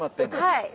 はい。